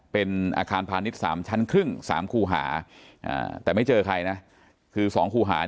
เป็นอาคารพาณิชย์๓ชั้นครึ่ง๓คู่หาแต่ไม่เจอใครนะคือ๒คู่หา